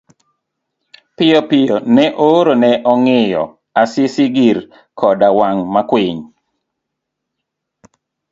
Piyopiyo ne ooro ne ong'iyo Asisi giri koda wang makwiny.